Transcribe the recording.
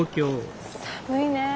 寒いねえ。